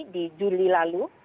di juli lalu